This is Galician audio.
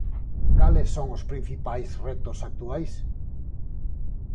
Cales son os principais retos actuais?